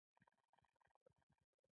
د کونړ په وټه پور کې څه شی شته؟